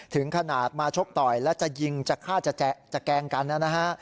ถึงขนาดมาชกต่อยและจะยิงจะฆ่าจะแกล้งกันนะฮะ